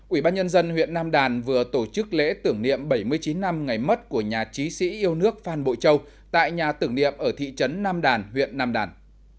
ủy ban nhân dân huyện nam đàn vừa tổ chức lễ tưởng niệm bảy mươi chín năm ngày mất của nhà trí sĩ yêu nước phan bội châu tại nhà tưởng niệm ở thị trấn nam đàn huyện nam đàn